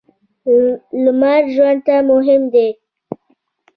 لمر ژوند ته مهم دی.